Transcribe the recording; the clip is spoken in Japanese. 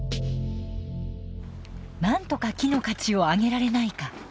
何とか木の価値を上げられないか。